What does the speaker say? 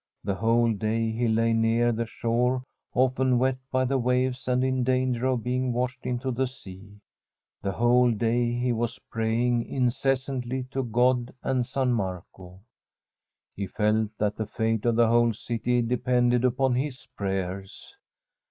The whole day he lay near the shore, often wet by the waves and in danger of being washed into the sea. The whole day he was praying incessantly to God and San Marco. The Fisherman's RING He felt that the fate of the whole city depended upon his prayers.